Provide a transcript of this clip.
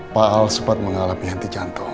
pak al sempat mengalami henti jantung